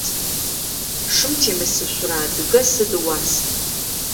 Шым темысышъурэ адыгэ сыд ыуас?